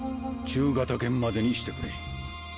中型犬までにしてくれ。